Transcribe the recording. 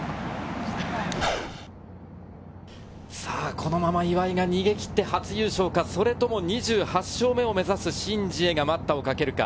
このまま岩井が逃げ切って初優勝か、それとも２８勝目を目指す、シン・ジエが待ったをかけるか？